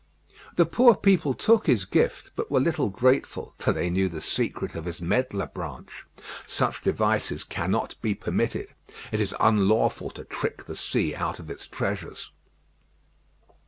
The poor people took his gift, but were little grateful, for they knew the secret of his medlar branch. Such devices cannot be permitted. It is unlawful to trick the sea out of its treasures.